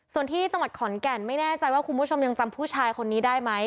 ส่วนที่จังหวัดขอนแก่นไม่แน่ใจว่าคุณผู้ชมยังจำผู้ชายคนนี้ได้ไหม